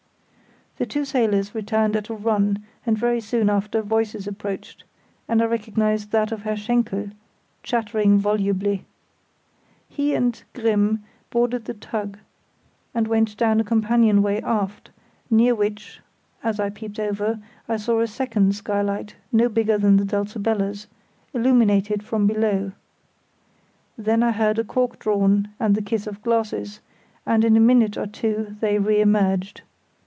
The two sailors returned at a run, and very soon after voices approached, and I recognised that of Herr Schenkel chattering volubly. He and Grimm boarded the tug and went down a companionway aft, near which, as I peeped over, I saw a second skylight, no bigger than the Dulcibella's, illuminated from below. Then I heard a cork drawn, and the kiss of glasses, and in a minute or two they re emerged.